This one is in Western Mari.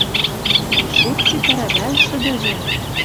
Кышец ситӓрӓ вӓл шӹдӹжӹм?